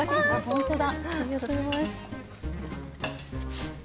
本当だ。